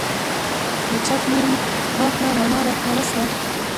له چپ لوري تته رڼا راښکاره سوه.